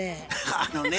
あのね